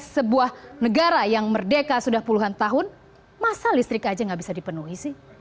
sebagai sebuah negara yang merdeka sudah puluhan tahun masa listrik saja tidak bisa dipenuhi